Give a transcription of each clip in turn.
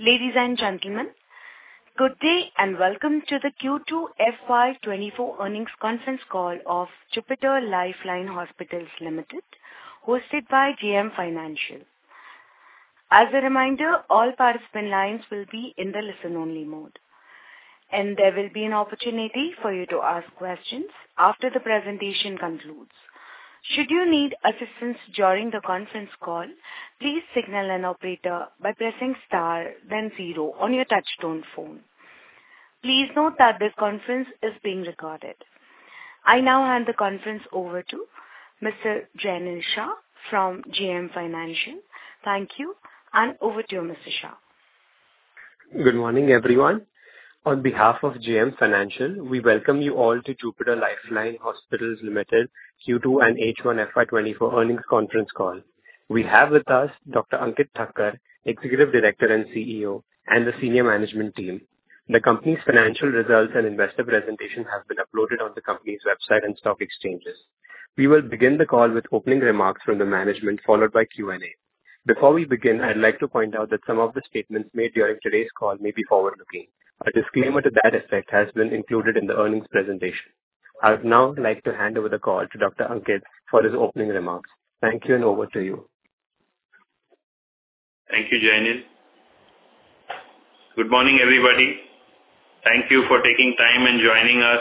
Ladies and gentlemen, good day and welcome to the Q2 FY24 earnings conference call of Jupiter Life Line Hospitals Limited, hosted by JM Financial. As a reminder, all participant lines will be in the listen-only mode, and there will be an opportunity for you to ask questions after the presentation concludes. Should you need assistance during the conference call, please signal an operator by pressing * then 0 on your touchtone phone. Please note that this conference is being recorded. I now hand the conference over to Mr. Jainil Shah from JM Financial. Thank you, and over to you, Mr. Shah. Good morning, everyone. On behalf of JM Financial, we welcome you all to Jupiter Life Line Hospitals Limited Q2 and H1 FY24 earnings conference call. We have with us Dr. Ankit Thakker, Executive Director and CEO, and the senior management team. The company's financial results and investor presentation have been uploaded on the company's website and stock exchanges. We will begin the call with opening remarks from the management, followed by Q&A. Before we begin, I'd like to point out that some of the statements made during today's call may be forward-looking. A disclaimer to that effect has been included in the earnings presentation. I would now like to hand over the call to Dr. Ankit for his opening remarks. Thank you, and over to you. Thank you, Jainil. Good morning, everybody. Thank you for taking time and joining us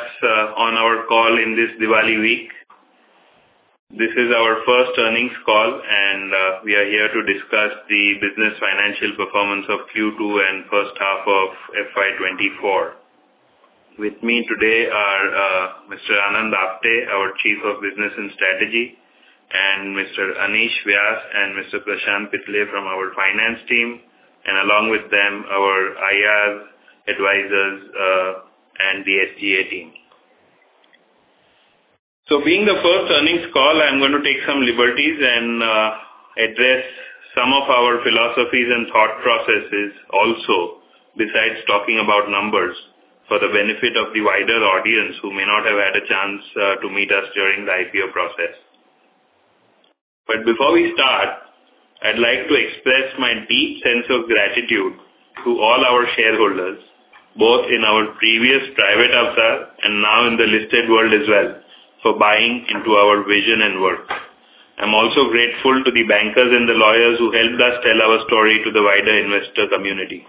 on our call in this Diwali week. This is our first earnings call, and we are here to discuss the business financial performance of Q2 and first half of FY2024. With me today are Mr. Anand Apte, our Chief of Business and Strategy, and Mr. Anish Vyas, and Mr. Prashant Pitale from our finance team, and along with them, our IR advisors and the SGA team. So being the first earnings call, I'm going to take some liberties and address some of our philosophies and thought processes also, besides talking about numbers, for the benefit of the wider audience who may not have had a chance to meet us during the IPO process. Before we start, I'd like to express my deep sense of gratitude to all our shareholders, both in our previous private Avatar and now in the listed world as well, for buying into our vision and work. I'm also grateful to the bankers and the lawyers who helped us tell our story to the wider investor community.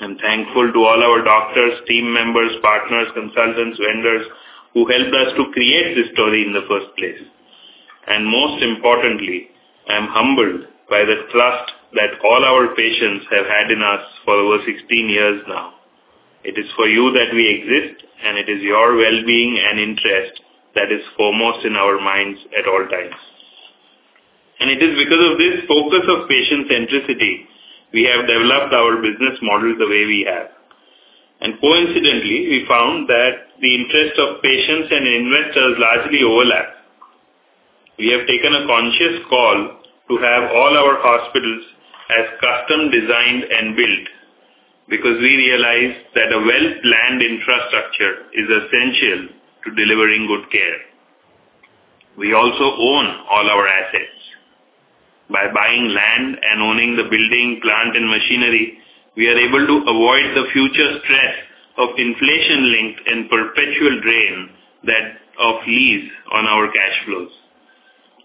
I'm thankful to all our doctors, team members, partners, consultants, vendors who helped us to create this story in the first place. Most importantly, I'm humbled by the trust that all our patients have had in us for over 16 years now. It is for you that we exist, and it is your well-being and interest that is foremost in our minds at all times. It is because of this focus of patient-centricity we have developed our business model the way we have. Coincidentally, we found that the interest of patients and investors largely overlap. We have taken a conscious call to have all our hospitals as custom-designed and built because we realize that a well-planned infrastructure is essential to delivering good care. We also own all our assets. By buying land and owning the building, plant, and machinery, we are able to avoid the future stress of inflation-linked and perpetual drain of lease on our cash flows.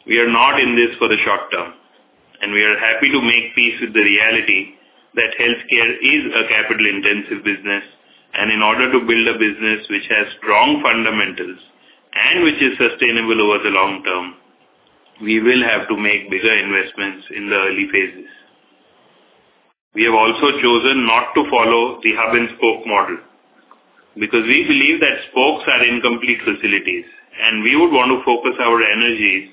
We are not in this for the short term, and we are happy to make peace with the reality that healthcare is a capital-intensive business, and in order to build a business which has strong fundamentals and which is sustainable over the long term, we will have to make bigger investments in the early phases. We have also chosen not to follow the hub-and-spoke model because we believe that spokes are incomplete facilities, and we would want to focus our energies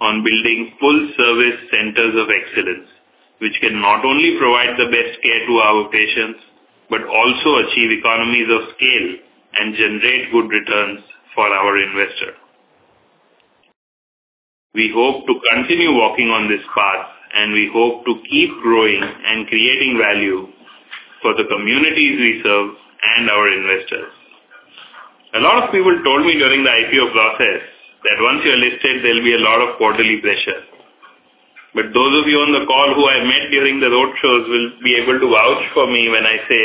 on building full-service centers of excellence, which can not only provide the best care to our patients but also achieve economies of scale and generate good returns for our investors. We hope to continue walking on this path, and we hope to keep growing and creating value for the communities we serve and our investors. A lot of people told me during the IPO process that once you're listed, there'll be a lot of quarterly pressure. But those of you on the call who I met during the roadshows will be able to vouch for me when I say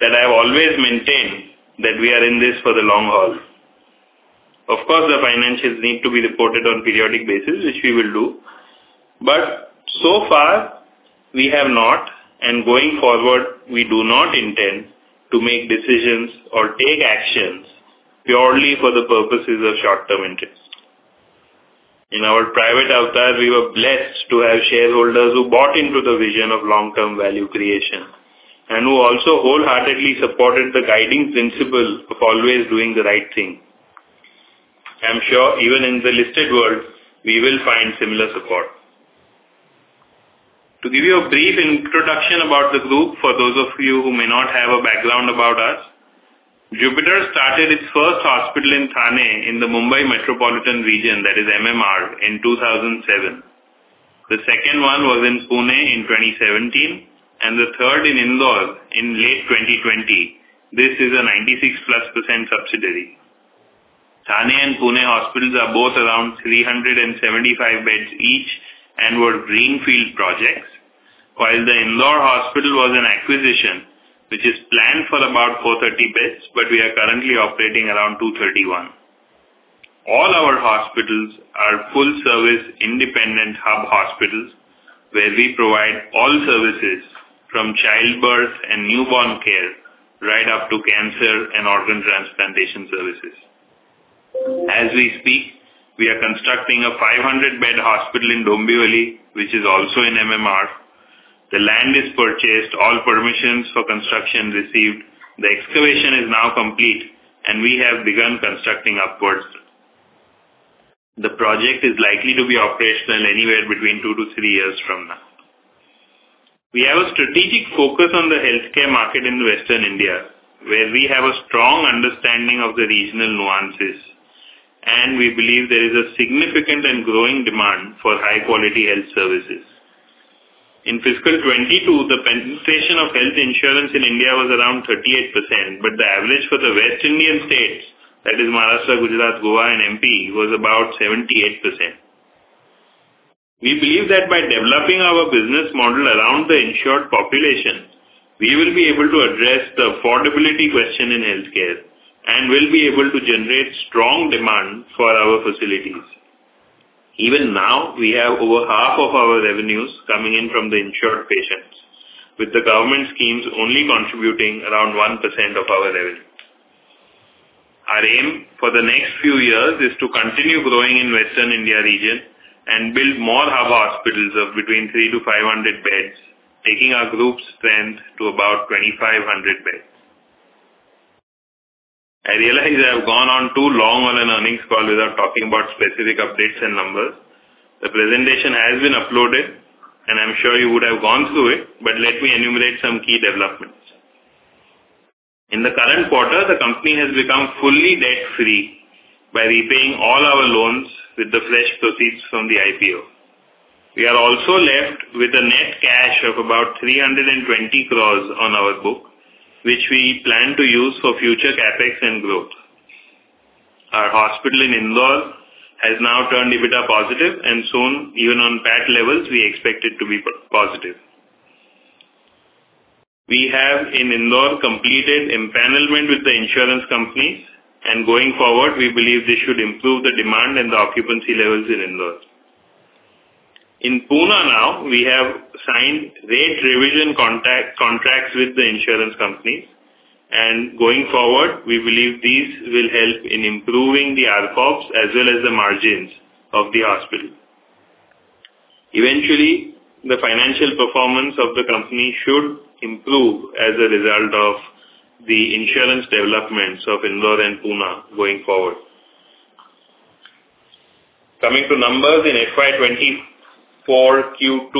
that I have always maintained that we are in this for the long haul. Of course, the financials need to be reported on a periodic basis, which we will do, but so far we have not, and going forward, we do not intend to make decisions or take actions purely for the purposes of short-term interest. In our private Avatar, we were blessed to have shareholders who bought into the vision of long-term value creation and who also wholeheartedly supported the guiding principle of always doing the right thing. I'm sure even in the listed world, we will find similar support. To give you a brief introduction about the group, for those of you who may not have a background about us, Jupiter started its first hospital in Thane in the Mumbai Metropolitan Region, that is MMR, in 2007. The second one was in Pune in 2017, and the third in Indore in late 2020. This is a 96+% subsidiary. Thane and Pune hospitals are both around 375 beds each and were greenfield projects, while the Indore hospital was an acquisition which is planned for about 430 beds, but we are currently operating around 231. All our hospitals are full-service independent hub hospitals where we provide all services from childbirth and newborn care right up to cancer and organ transplantation services. As we speak, we are constructing a 500-bed hospital in Dombivli, which is also in MMR. The land is purchased, all permissions for construction received, the excavation is now complete, and we have begun constructing upwards. The project is likely to be operational anywhere between 2-3 years from now. We have a strategic focus on the healthcare market in Western India, where we have a strong understanding of the regional nuances, and we believe there is a significant and growing demand for high-quality health services. In fiscal 2022, the penetration of health insurance in India was around 38%, but the average for the Western Indian states, that is Maharashtra, Gujarat, Goa, and MP, was about 78%. We believe that by developing our business model around the insured population, we will be able to address the affordability question in healthcare and will be able to generate strong demand for our facilities. Even now, we have over half of our revenues coming in from the insured patients, with the government schemes only contributing around 1% of our revenue. Our aim for the next few years is to continue growing in the Western India region and build more hub hospitals of between 300-500 beds, taking our group's strength to about 2,500 beds. I realize I have gone on too long on an earnings call without talking about specific updates and numbers. The presentation has been uploaded, and I'm sure you would have gone through it, but let me enumerate some key developments. In the current quarter, the company has become fully debt-free by repaying all our loans with the fresh proceeds from the IPO. We are also left with a net cash of about 320 crore on our book, which we plan to use for future CapEx and growth. Our hospital in Indore has now turned EBITDA positive, and soon, even on PAT levels, we expect it to be positive. We have in Indore completed empanelment with the insurance companies, and going forward, we believe this should improve the demand and the occupancy levels in Indore. In Pune now, we have signed rate revision contracts with the insurance companies, and going forward, we believe these will help in improving the ARPOBs as well as the margins of the hospital. Eventually, the financial performance of the company should improve as a result of the insurance developments of Indore and Pune going forward. Coming to numbers in FY24 Q2,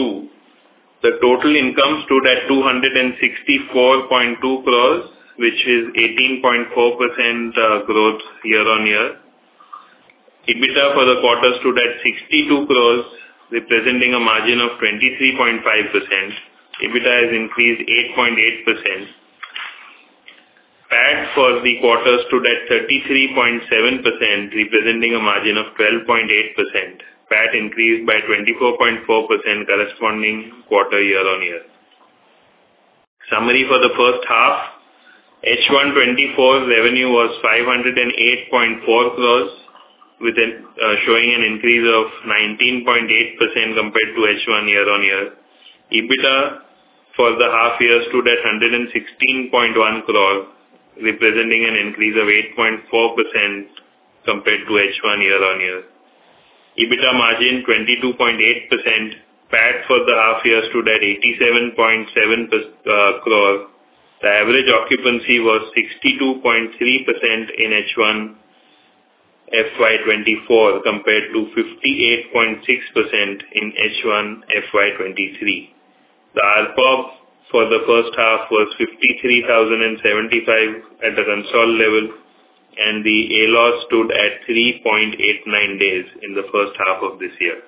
the total income stood at 264.2 crores, which is 18.4% growth year-over-year. EBITDA for the quarter stood at 62 crores, representing a margin of 23.5%. EBITDA has increased 8.8%. PAT for the quarter stood at 33.7 crores, representing a margin of 12.8%. PAT increased by 24.4% corresponding quarter year-over-year. Summary for the first half: H1 2024 revenue was 508.4 crores, showing an increase of 19.8% compared to H1 year-over-year. EBITDA for the half year stood at 116.1 crores, representing an increase of 8.4% compared to H1 year-over-year. EBITDA margin 22.8%. PAT for the half year stood at 87.7 crores. The average occupancy was 62.3% in H1 FY24 compared to 58.6% in H1 FY23. The ARPOB for the first half was 53,075 at the consolidated level, and the ALOS stood at 3.89 days in the first half of this year.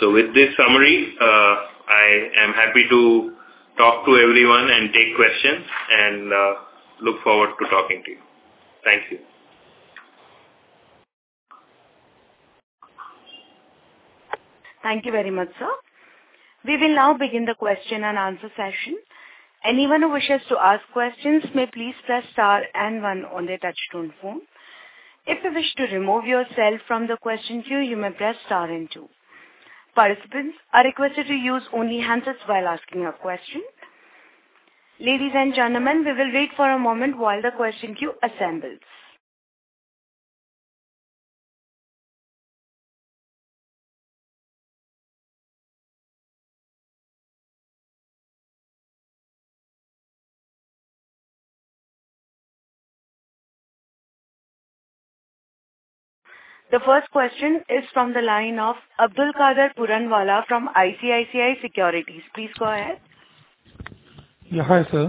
So with this summary, I am happy to talk to everyone and take questions, and look forward to talking to you. Thank you. Thank you very much, sir. We will now begin the question and answer session. Anyone who wishes to ask questions may please press star and one on their touchtone phone. If you wish to remove yourself from the question queue, you may press star and two. Participants are requested to use only handsets while asking a question. Ladies and gentlemen, we will wait for a moment while the question queue assembles. The first question is from the line of Abdul Qadir Puranwala from ICICI Securities. Please go ahead. Yeah, hi sir.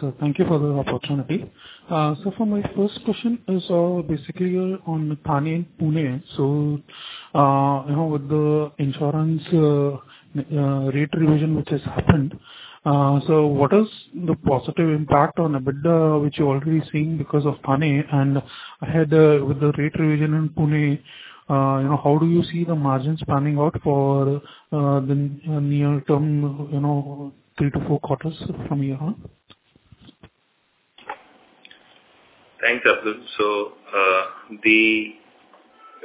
So thank you for the opportunity. So for my first question, I saw basically you're on Thane and Pune, so with the insurance rate revision which has happened, so what is the positive impact on EBITDA which you're already seeing because of Thane? And ahead with the rate revision in Pune, how do you see the margins panning out for the near-term 3-4 quarters from here on? Thanks, Abdul. So the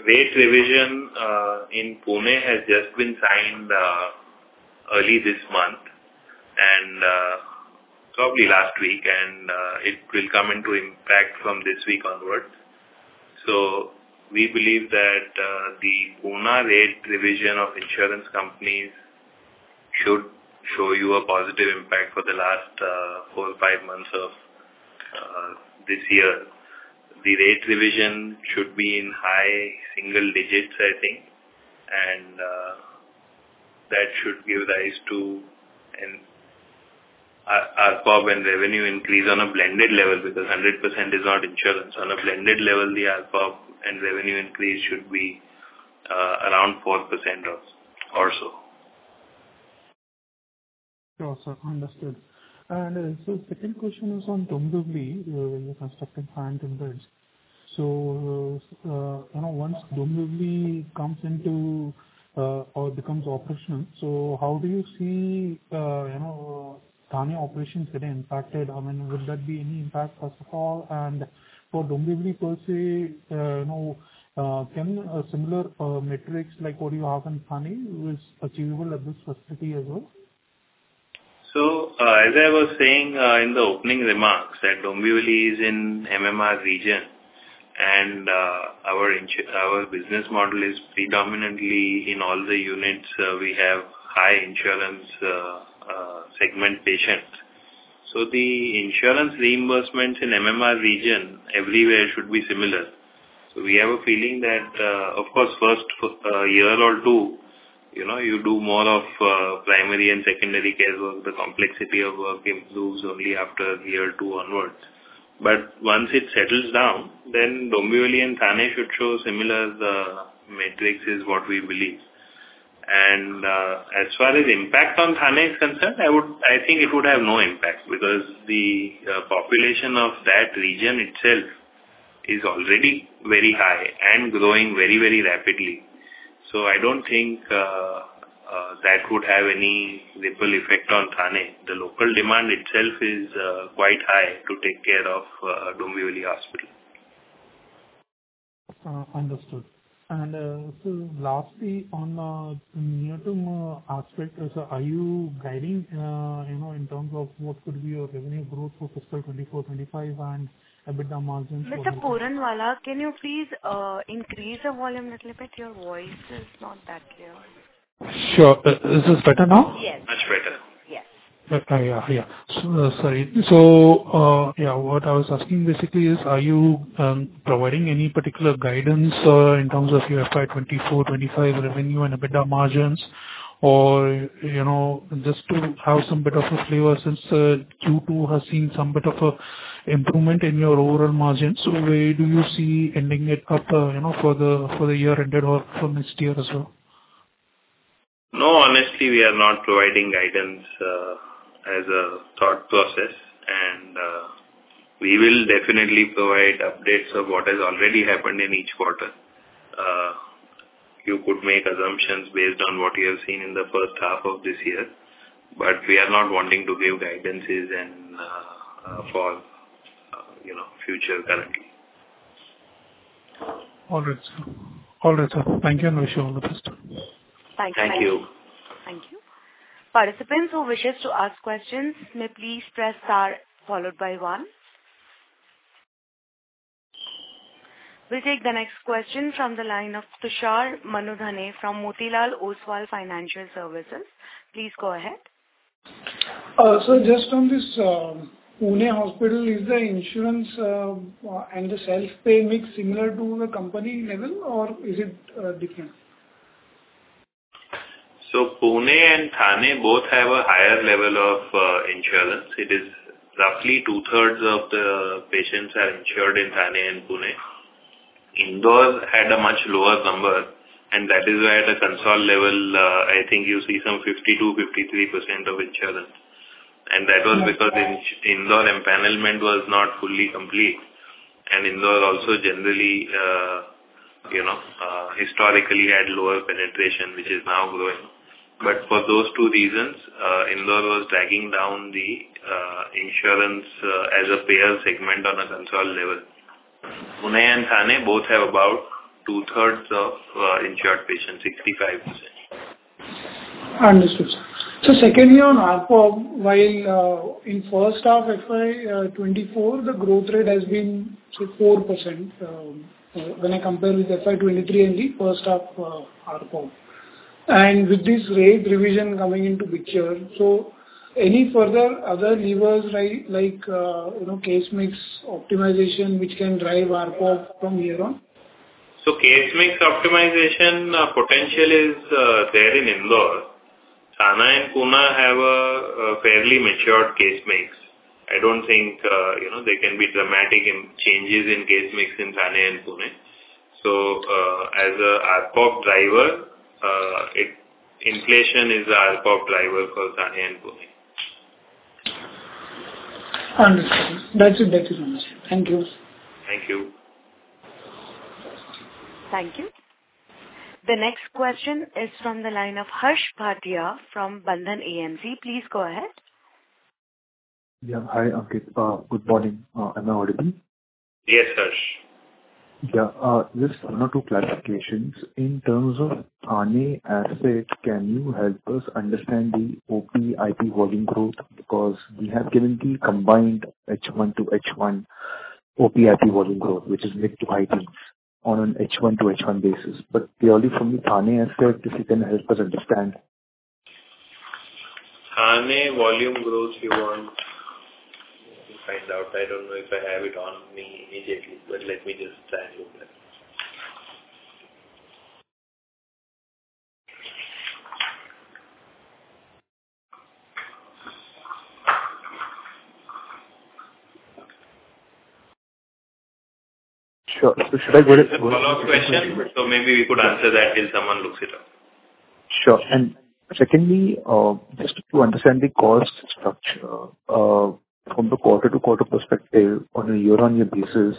rate revision in Pune has just been signed early this month and probably last week, and it will come into impact from this week onward. So we believe that the Pune rate revision of insurance companies should show you a positive impact for the last 4, 5 months of this year. The rate revision should be in high single digits, I think, and that should give rise to an RFOP and revenue increase on a blended level because 100% is not insurance. On a blended level, the RFOP and revenue increase should be around 4% or so. Yeah, sir, understood. And so the second question is on Dombivli when you're constructing Thane and Pune. So once Dombivli comes into or becomes operational, so how do you see Thane operations getting impacted? I mean, would that be any impact, first of all? And for Dombivli per se, can similar metrics like what you have in Thane be achievable at this facility as well? So as I was saying in the opening remarks, Dombivli is in MMR region, and our business model is predominantly in all the units we have high insurance segment patients. So the insurance reimbursement in MMR region everywhere should be similar. So we have a feeling that, of course, first year or two, you do more of primary and secondary care work. The complexity of work improves only after year two onwards. But once it settles down, then Dombivli and Thane should show similar metrics is what we believe. And as far as impact on Thane is concerned, I think it would have no impact because the population of that region itself is already very high and growing very, very rapidly. So I don't think that would have any ripple effect on Thane. The local demand itself is quite high to take care of Dombivli Hospital. Understood. And so lastly, on the near-term aspect, so are you guiding in terms of what could be your revenue growth for fiscal 2024-2025 and EBITDA margins for? Mr. Puranwala, can you please increase the volume a little bit? Your voice is not that clear. Sure. Is this better now? Yes. Much better. Yes. Yeah, yeah. Sorry. So yeah, what I was asking basically is, are you providing any particular guidance in terms of your FY24-'25 revenue and EBITDA margins, or just to have some bit of a flavor since Q2 has seen some bit of an improvement in your overall margins? So where do you see ending it up for the year ended or for next year as well? No, honestly, we are not providing guidance as a thought process, and we will definitely provide updates of what has already happened in each quarter. You could make assumptions based on what you have seen in the first half of this year, but we are not wanting to give guidances for future currently. All right, sir. All right, sir. Thank you, and I wish you all the best. Thank you. Thank you. Thank you. Participants who wishes to ask questions may please press star followed by one. We'll take the next question from the line of Tushar Manudhane from Motilal Oswal Financial Services. Please go ahead. Just on this, Pune Hospital, is the insurance and the self-pay mix similar to the company level, or is it different? So Pune and Thane both have a higher level of insurance. It is roughly two-thirds of the patients are insured in Thane and Pune. Indore had a much lower number, and that is why at the consolidated level, I think you see some 52%-53% of insurance. And that was because Indore empanelment was not fully complete, and Indore also generally, historically, had lower penetration, which is now growing. But for those two reasons, Indore was dragging down the insurance as a payer segment on a consolidated level. Pune and Thane both have about two-thirds of insured patients, 65%. Understood, sir. So secondly, on ARPOB, while in first half FY24, the growth rate has been 4% when I compare with FY23 and the first half ARPOB. And with this rate revision coming into picture, so any further other levers like case mix optimization which can drive ARPOB from here on? So case mix optimization potential is there in Indore. Thane and Pune have a fairly matured case mix. I don't think there can be dramatic changes in case mix in Thane and Pune. So as an ARPOB driver, inflation is an ARPOB driver for Thane and Pune. Understood. That's it. That is understood. Thank you. Thank you. Thank you. The next question is from the line of Harsh Bhatia from Bandhan AMC. Please go ahead. Yeah, hi, Ankit. Good morning. Am I audible? Yes, Harsh. Yeah, just one or two clarifications. In terms of Thane asset, can you help us understand the OP/IP volume growth? Because we have given the combined H1 to H1 OP/IP volume growth, which is mid to high peaks, on an H1 to H1 basis. But purely from the Thane asset, if you can help us understand. Thane volume growth, you want to find out? I don't know if I have it on me immediately, but let me just try and look at it. Sure. So should I go ahead? One last question, so maybe we could answer that till someone looks it up. Sure. And secondly, just to understand the cost structure from the quarter-to-quarter perspective on a year-on-year basis,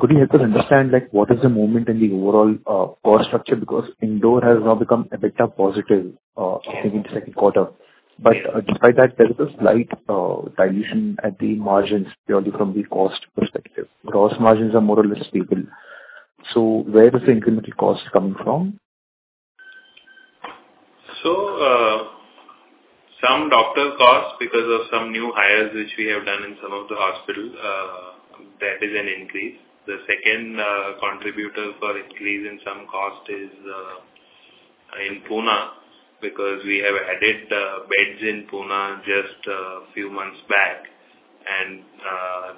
could you help us understand what is the movement in the overall cost structure? Because Indore has now become EBITDA positive in the second quarter. But despite that, there is a slight dilution at the margins purely from the cost perspective. Gross margins are more or less stable. So where is the incremental cost coming from? So some doctor costs because of some new hires which we have done in some of the hospital, that is an increase. The second contributor for increase in some cost is in Pune because we have added beds in Pune just a few months back, and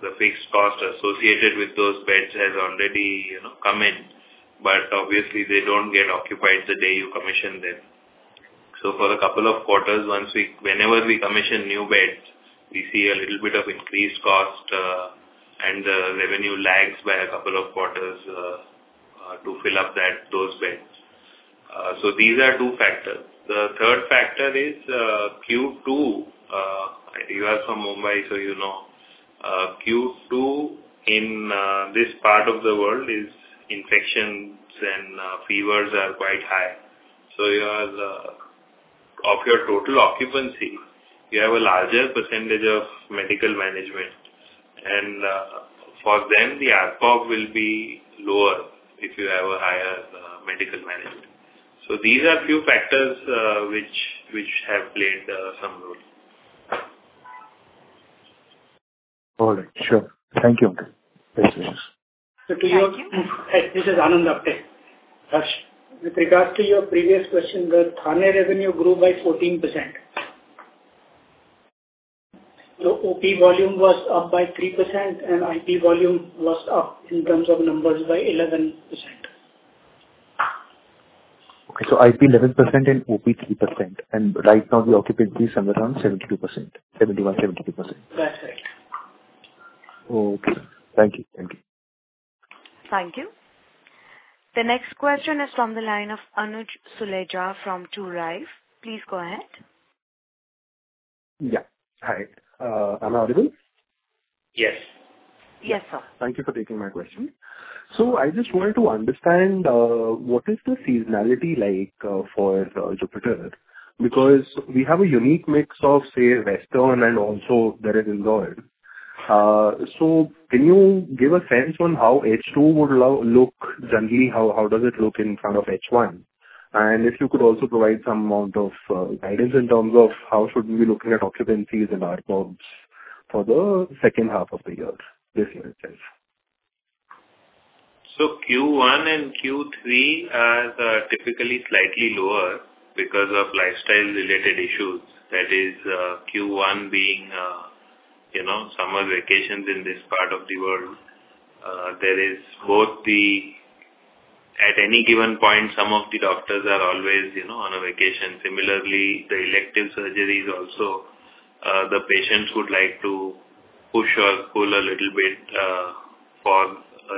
the fixed cost associated with those beds has already come in. But obviously, they don't get occupied the day you commission them. So for a couple of quarters, whenever we commission new beds, we see a little bit of increased cost, and the revenue lags by a couple of quarters to fill up those beds. So these are two factors. The third factor is Q2. You are from Mumbai, so you know. Q2 in this part of the world, infections and fevers are quite high. So of your total occupancy, you have a larger percentage of medical management. For them, the ARPOB will be lower if you have a higher medical management. These are a few factors which have played some role. All right. Sure. Thank you. Best wishes. Thank you. This is Anand Apte. Harsh, with regards to your previous question, the Thane revenue grew by 14%. OP volume was up by 3%, and IP volume was up in terms of numbers by 11%. Okay. So IP 11% and OP 3%. Right now, the occupancy is somewhere around 71%-72%. That's right. Okay. Thank you. Thank you. Thank you. The next question is from the line of Anuj Suleja from Trulife. Please go ahead. Yeah. Hi. Am I audible? Yes. Yes, sir. Thank you for taking my question. I just wanted to understand what is the seasonality like for Jupiter? Because we have a unique mix of, say, western and also there is Indore. Can you give a sense on how H2 would look generally? How does it look in front of H1? And if you could also provide some amount of guidance in terms of how should we be looking at occupancies and ARPOBs for the second half of the year, this year itself? So Q1 and Q3 are typically slightly lower because of lifestyle-related issues. That is, Q1 being summer vacations in this part of the world. There is, both, at any given point, some of the doctors are always on a vacation. Similarly, the elective surgeries also, the patients would like to push or pull a little bit for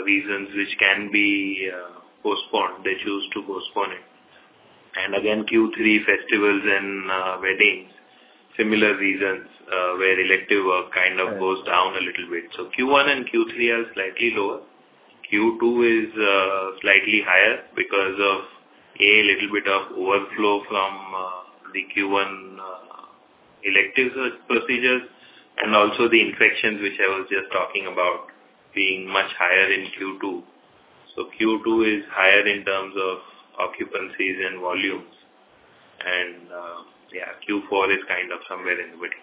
reasons which can be postponed. They choose to postpone it. And again, Q3, festivals, and weddings, similar reasons where elective work kind of goes down a little bit. So Q1 and Q3 are slightly lower. Q2 is slightly higher because of, A, a little bit of overflow from the Q1 elective procedures and also the infections which I was just talking about being much higher in Q2. So Q2 is higher in terms of occupancies and volumes. And yeah, Q4 is kind of somewhere in the middle.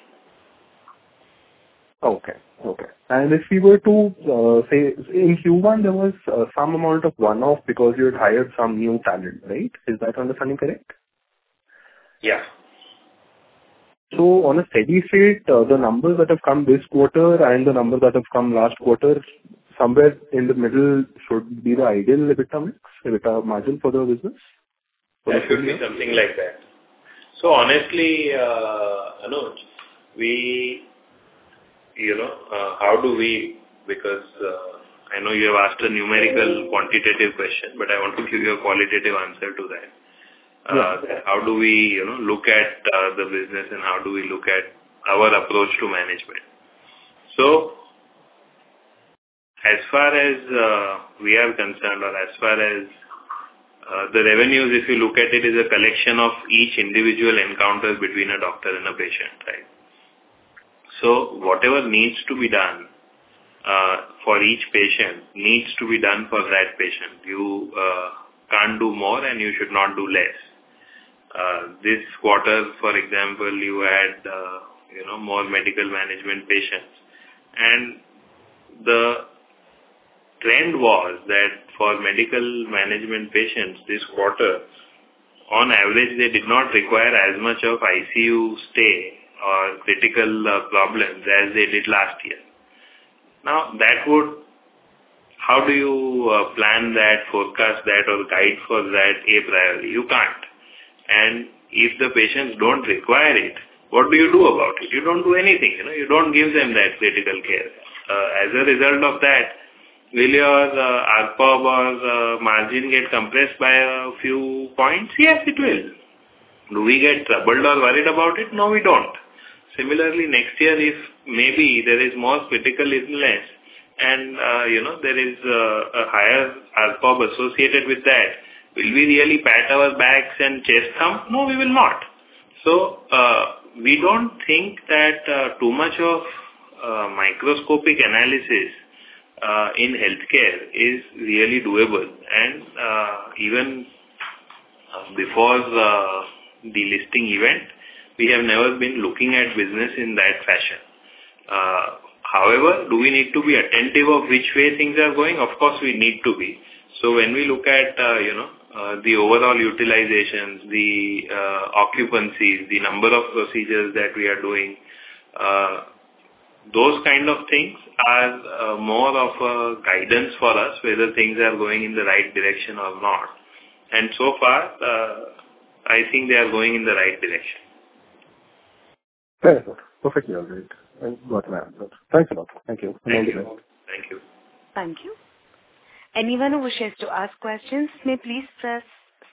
Okay. Okay. And if we were to say in Q1, there was some amount of one-off because you had hired some new talent, right? Is that understanding correct? Yeah. So on a steady state, the numbers that have come this quarter and the numbers that have come last quarter, somewhere in the middle should be the ideal EBITDA mix, EBITDA margin for the business? It should be something like that. So honestly, Anuj, how do we, because I know you have asked a numerical quantitative question, but I want to give you a qualitative answer to that. How do we look at the business, and how do we look at our approach to management? So as far as we are concerned or as far as the revenues, if you look at it, is a collection of each individual encounter between a doctor and a patient, right? So whatever needs to be done for each patient needs to be done for that patient. You can't do more, and you should not do less. This quarter, for example, you had more medical management patients. And the trend was that for medical management patients this quarter, on average, they did not require as much of ICU stay or critical problems as they did last year. Now, how do you plan that, forecast that, or guide for that a priori? You can't. And if the patients don't require it, what do you do about it? You don't do anything. You don't give them that critical care. As a result of that, will your ARPOB or margin get compressed by a few points? Yes, it will. Do we get troubled or worried about it? No, we don't. Similarly, next year, if maybe there is more critical illness and there is a higher ARPOB associated with that, will we really pat ourselves on the back and thump our chest? No, we will not. So we don't think that too much of microscopic analysis in healthcare is really doable. And even before the listing event, we have never been looking at business in that fashion. However, do we need to be attentive of which way things are going? Of course, we need to be. So when we look at the overall utilizations, the occupancies, the number of procedures that we are doing, those kind of things are more of a guidance for us whether things are going in the right direction or not. And so far, I think they are going in the right direction. Very good. Perfectly all right. I got my answer. Thanks a lot. Thank you. Thank you. Thank you. Thank you. Anyone who wishes to ask questions may please press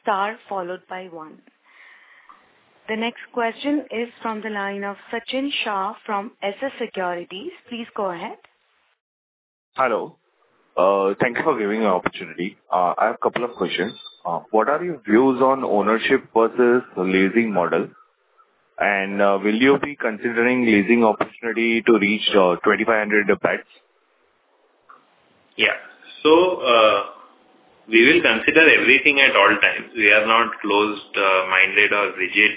star followed by one. The next question is from the line of Sachin Shah from SS Securities. Please go ahead. Hello. Thank you for giving me an opportunity. I have a couple of questions. What are your views on ownership versus leasing model? Will you be considering leasing opportunity to reach 2,500 beds? Yeah. So we will consider everything at all times. We are not closed-minded or rigid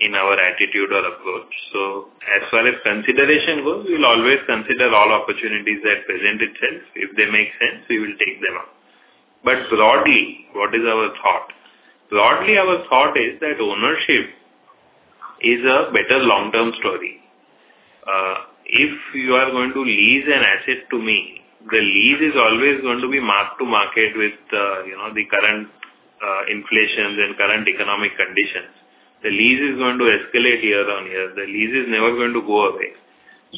in our attitude or approach. So as far as consideration goes, we'll always consider all opportunities that present itself. If they make sense, we will take them up. But broadly, what is our thought? Broadly, our thought is that ownership is a better long-term story. If you are going to lease an asset to me, the lease is always going to be marked to market with the current inflations and current economic conditions. The lease is going to escalate year on year. The lease is never going to go away.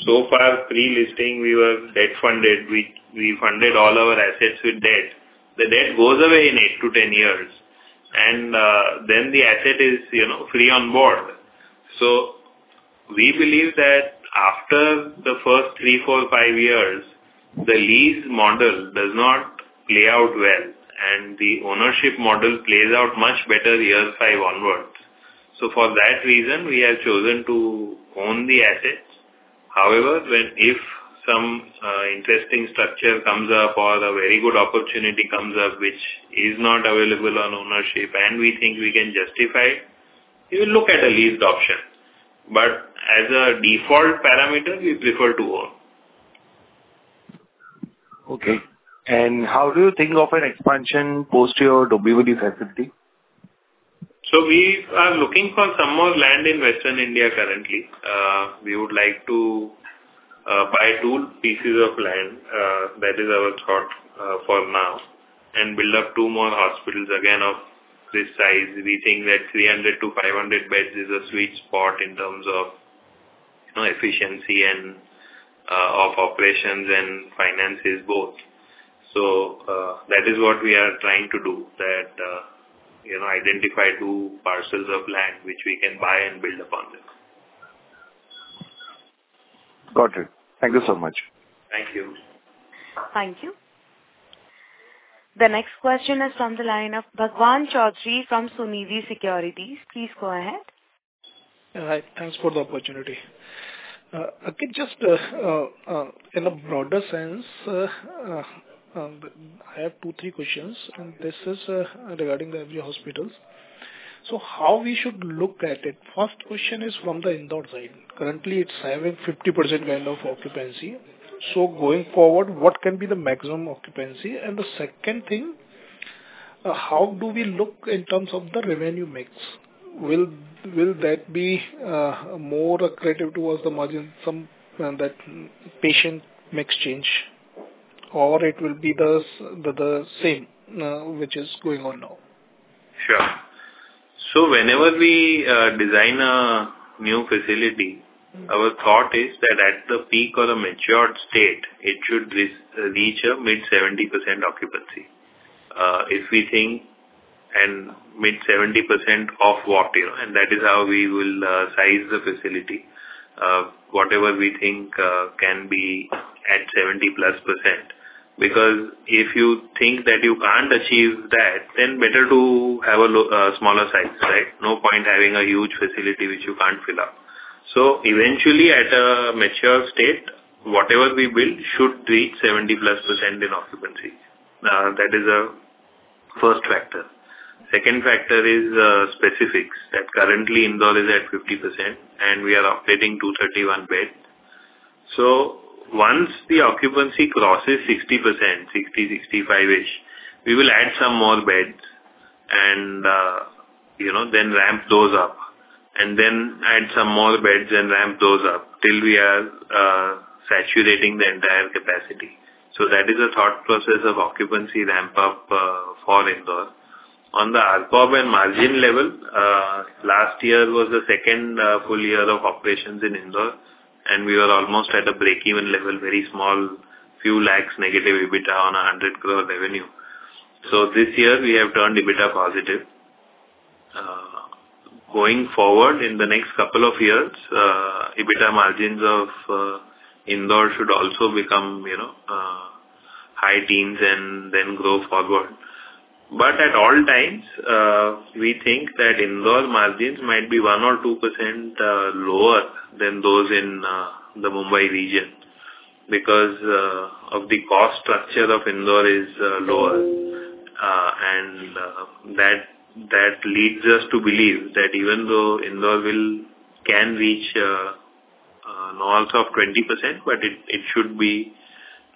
So far, pre-listing, we were debt-funded. We funded all our assets with debt. The debt goes away in 8-10 years, and then the asset is free on board. So we believe that after the first three, four, five years, the lease model does not play out well, and the ownership model plays out much better year five onwards. So for that reason, we have chosen to own the assets. However, if some interesting structure comes up or a very good opportunity comes up which is not available on ownership and we think we can justify it, we will look at a leased option. But as a default parameter, we prefer to own. Okay. And how do you think of an expansion post your WWD facility? So we are looking for some more land in Western India currently. We would like to buy two pieces of land. That is our thought for now and build up two more hospitals, again, of this size. We think that 300-500 beds is a sweet spot in terms of efficiency of operations and finances, both. So that is what we are trying to do, that identify two parcels of land which we can buy and build upon them. Got it. Thank you so much. Thank you. Thank you. The next question is from the line of Bhagwan Chaudhary from Sunidhi Securities. Please go ahead. Hi. Thanks for the opportunity. I think just in a broader sense, I have two, three questions, and this is regarding the WWD hospitals. So how we should look at it? First question is from the Indore side. Currently, it's having 50% kind of occupancy. So going forward, what can be the maximum occupancy? And the second thing, how do we look in terms of the revenue mix? Will that be more accretive towards the margin, that patient mix change, or it will be the same which is going on now? Sure. So whenever we design a new facility, our thought is that at the peak or a matured state, it should reach a mid-70% occupancy if we think and mid-70% of what? And that is how we will size the facility. Whatever we think can be at 70+%. Because if you think that you can't achieve that, then better to have a smaller size, right? No point having a huge facility which you can't fill up. So eventually, at a mature state, whatever we build should reach 70+% in occupancy. That is a first factor. Second factor is specifics. That currently, Indore is at 50%, and we are updating 231 beds. So once the occupancy crosses 60%, 60, 65-ish, we will add some more beds and then ramp those up and then add some more beds and ramp those up till we are saturating the entire capacity. So that is a thought process of occupancy ramp-up for Indore. On the ARPOB and margin level, last year was the second full year of operations in Indore, and we were almost at a break-even level, very small, few lakhs negative EBITDA on 100 crore revenue. So this year, we have turned EBITDA positive. Going forward, in the next couple of years, EBITDA margins of Indore should also become high teens and then grow forward. But at all times, we think that Indore margins might be 1% or 2% lower than those in the Mumbai region because of the cost structure of Indore is lower. And that leads us to believe that even though Indore can reach north of 20%, but it should be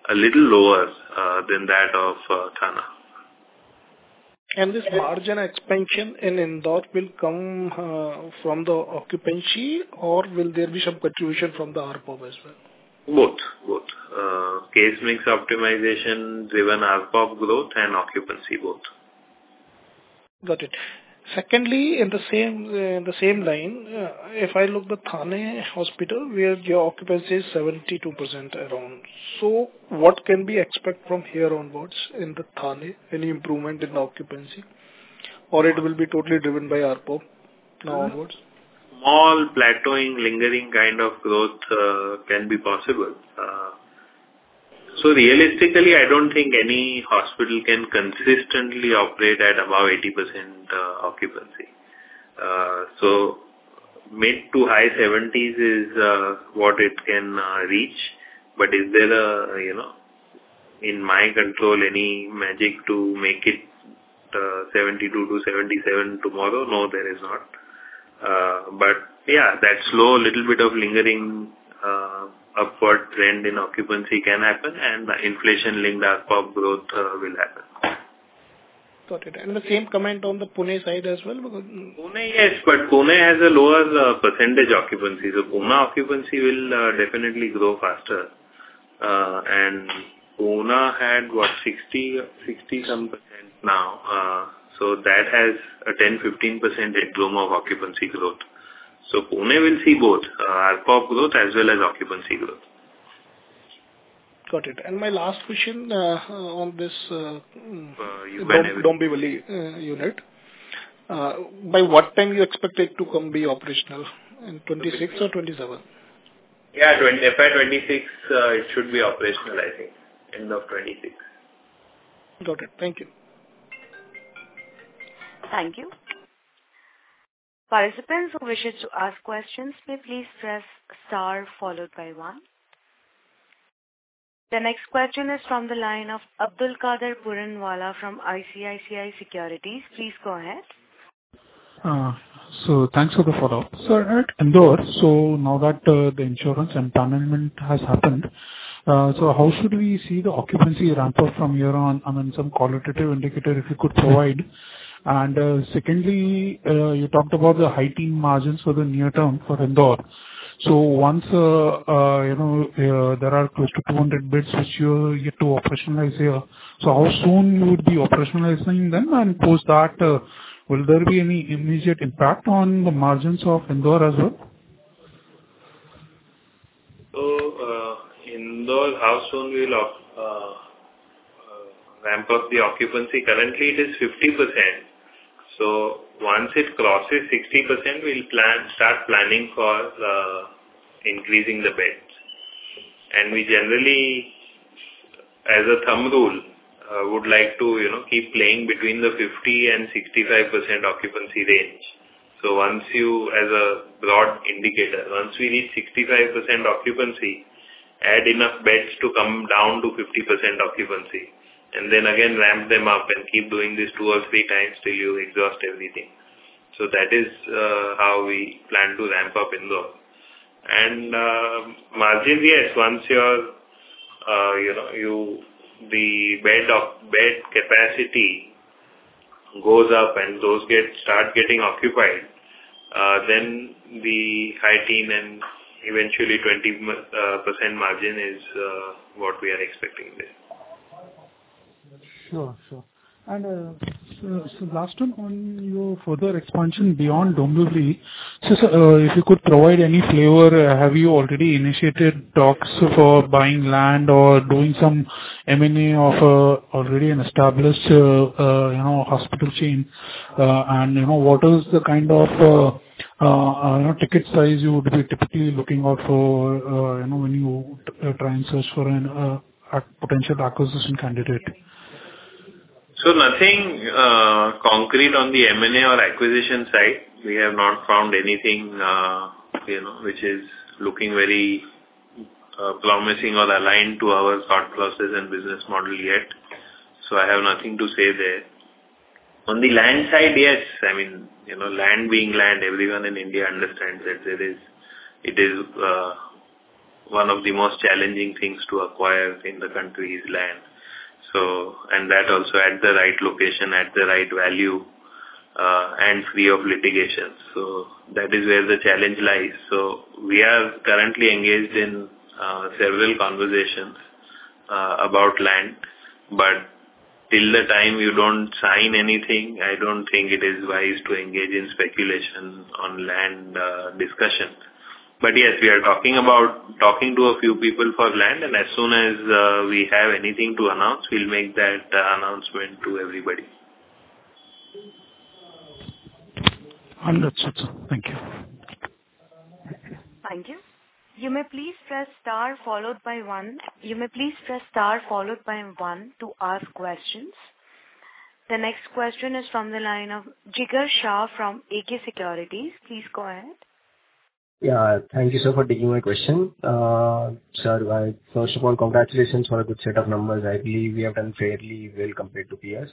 a little lower than that of Thane. This margin expansion in Indore will come from the occupancy, or will there be some contribution from the ARPOB as well? Both. Both. Case mix optimization-driven ARPOB growth and occupancy, both. Got it. Secondly, in the same line, if I look at the Thane hospital, where your occupancy is 72% around, so what can be expected from here onwards in the Thane, any improvement in occupancy, or it will be totally driven by ARPOB now onwards? Small plateauing, lingering kind of growth can be possible. Realistically, I don't think any hospital can consistently operate at above 80% occupancy. Mid- to high 70s is what it can reach. But is there, in my control, any magic to make it 72%-77% tomorrow? No, there is not. But yeah, that slow, little bit of lingering upward trend in occupancy can happen, and inflation-linked ARPOB growth will happen. Got it. And the same comment on the Pune side as well? Pune, yes, but Pune has a lower percentage occupancy. So Pune occupancy will definitely grow faster. And Pune had, what, 60-some% now. So that has a 10%-15% headroom of occupancy growth. So Pune will see both RFOP growth as well as occupancy growth. Got it. And my last question on this. You don't be worried. Unit, by what time do you expect it to come be operational? In 2026 or 2027? Yeah. If at 2026, it should be operational, I think, end of 2026. Got it. Thank you. Thank you. Participants who wishes to ask questions may please press star followed by one. The next question is from the line of Abdul Qadir Puranwala from ICICI Securities. Please go ahead. Thanks for the follow-up. At Indore, now that the insurance empanelment has happened, how should we see the occupancy ramp-up from here on? I mean, some qualitative indicator if you could provide. And secondly, you talked about the high-teen margins for the near-term for Indore. Once there are close to 200 beds which you'll get to operationalize here, how soon would you be operationalizing them? And post that, will there be any immediate impact on the margins of Indore as well? So, Indore—how soon will [we] ramp up the occupancy? Currently, it is 50%. So once it crosses 60%, we'll start planning for increasing the beds. And we generally, as a thumb rule, would like to keep operating between the 50%-65% occupancy range. So as a broad indicator, once we reach 65% occupancy, add enough beds to come down to 50% occupancy and then again ramp them up and keep doing this two or three times till you exhaust everything. So that is how we plan to ramp up Indore. And margins, yes. Once the bed capacity goes up and those start getting occupied, then the high teens and eventually 20% margin is what we are expecting there. Sure. Sure. And so last one, on your further expansion beyond WWD, if you could provide any flavor, have you already initiated talks for buying land or doing some M&A of already an established hospital chain? And what is the kind of ticket size you would be typically looking out for when you try and search for a potential acquisition candidate? So nothing concrete on the M&A or acquisition side. We have not found anything which is looking very promising or aligned to our thought process and business model yet. So I have nothing to say there. On the land side, yes. I mean, land being land, everyone in India understands that it is one of the most challenging things to acquire in the country is land. And that also at the right location, at the right value, and free of litigation. So that is where the challenge lies. So we are currently engaged in several conversations about land. But till the time you don't sign anything, I don't think it is wise to engage in speculation on land discussions. But yes, we are talking to a few people for land. And as soon as we have anything to announce, we'll make that announcement to everybody. Understood. Thank you. Thank you. You may please press star followed by one. You may please press star followed by one to ask questions. The next question is from the line of Jigar Shah from AK Securities. Please go ahead. Yeah. Thank you, sir, for taking my question. Sir, first of all, congratulations for a good set of numbers. I believe we have done fairly well compared to PS.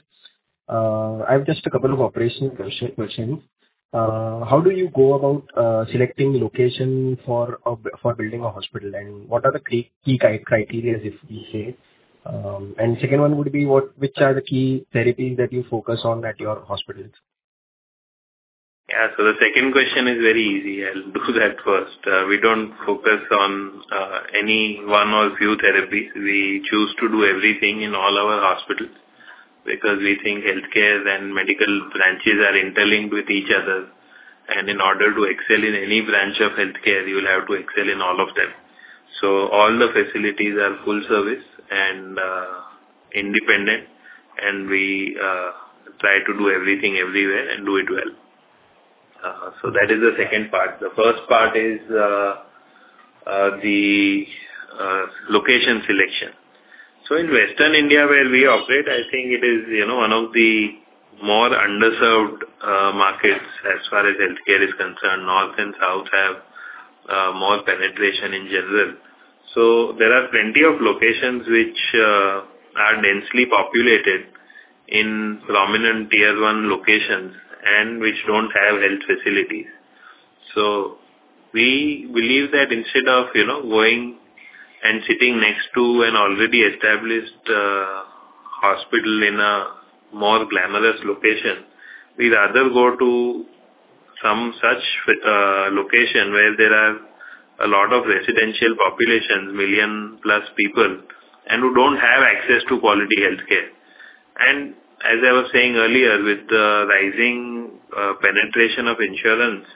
I have just a couple of operational questions. How do you go about selecting the location for building a hospital, and what are the key criteria, if we say? And second one would be, which are the key therapies that you focus on at your hospitals? Yeah. The second question is very easy. I'll do that first. We don't focus on any one or few therapies. We choose to do everything in all our hospitals because we think healthcare and medical branches are interlinked with each other. And in order to excel in any branch of healthcare, you will have to excel in all of them. All the facilities are full-service and independent, and we try to do everything everywhere and do it well. That is the second part. The first part is the location selection. In Western India where we operate, I think it is one of the more underserved markets as far as healthcare is concerned. North and South have more penetration in general. There are plenty of locations which are densely populated in prominent tier-one locations and which don't have health facilities. So we believe that instead of going and sitting next to an already established hospital in a more glamorous location, we'd rather go to some such location where there are a lot of residential populations, 1+ million people, and who don't have access to quality healthcare. And as I was saying earlier, with the rising penetration of insurance,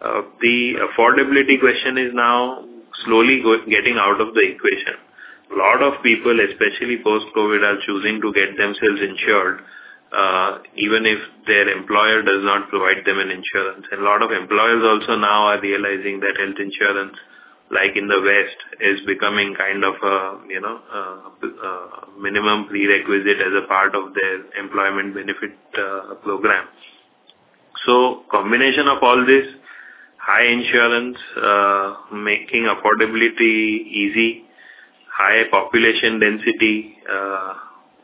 the affordability question is now slowly getting out of the equation. A lot of people, especially post-COVID, are choosing to get themselves insured even if their employer does not provide them an insurance. And a lot of employers also now are realizing that health insurance, like in the West, is becoming kind of a minimum prerequisite as a part of their employment benefit program. Combination of all this, high insurance, making affordability easy, high population density,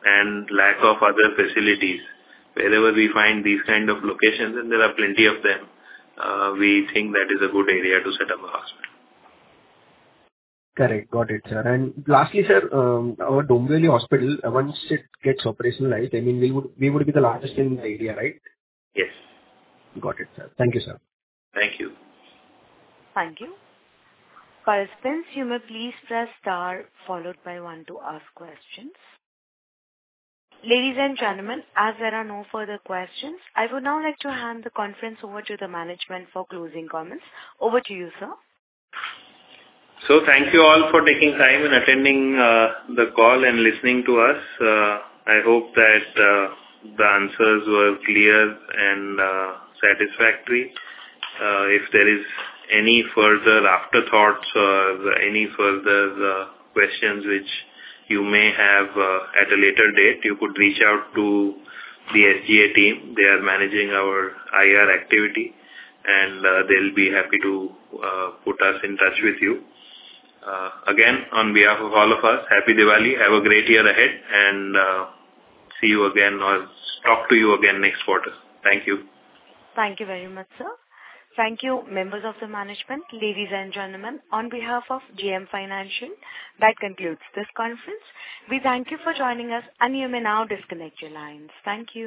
and lack of other facilities wherever we find these kind of locations - and there are plenty of them - we think that is a good area to set up a hospital. Correct. Got it, sir. And lastly, sir, our Dombivli Hospital, once it gets operationalized, I mean, we would be the largest in the area, right? Yes. Got it, sir. Thank you, sir. Thank you. Thank you. Participants, you may please press star followed by one to ask questions. Ladies and gentlemen, as there are no further questions, I would now like to hand the conference over to the management for closing comments. Over to you, sir. Thank you all for taking time and attending the call and listening to us. I hope that the answers were clear and satisfactory. If there is any further afterthoughts or any further questions which you may have at a later date, you could reach out to the SGA team. They are managing our IR activity, and they'll be happy to put us in touch with you. Again, on behalf of all of us, Happy Diwali. Have a great year ahead, and see you again or talk to you again next quarter. Thank you. Thank you very much, sir. Thank you, members of the management. Ladies and gentlemen, on behalf of JM Financial, that concludes this conference. We thank you for joining us, and you may now disconnect your lines. Thank you.